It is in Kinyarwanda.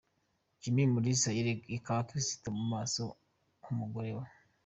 Jimmy Mulisa yereka abakristo mu maso h'umugore we.